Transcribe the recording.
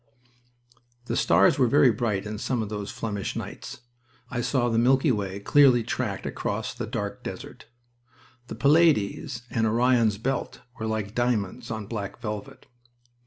The stars were very bright in some of those Flemish nights. I saw the Milky Way clearly tracked across the dark desert. The Pleiades and Orion's belt were like diamonds on black velvet.